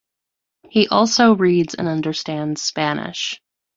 He also reads and understands Spanish.